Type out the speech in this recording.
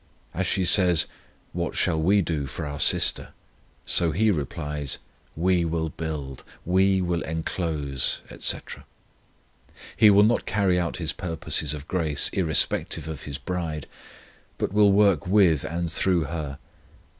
As she says, "What shall we do for our sister?" so He replies, "We will build ... we will inclose," etc. He will not carry out His purposes of grace irrespective of His bride, but will work with and through her.